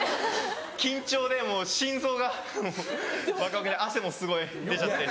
緊張でもう心臓がもうバクバクで汗もすごい出ちゃって。